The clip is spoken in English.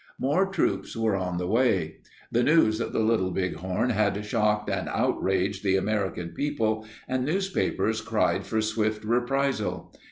More troops were on the way. The news of the Little Bighorn had shocked and outraged the Ameri can people, and newspapers cried for swift reprisal.